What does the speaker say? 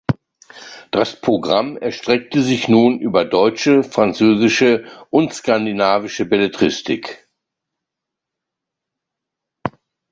Das Programm erstreckte sich nun über deutsche, französische und skandinavische Belletristik.